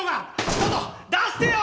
ちょっと出してよ！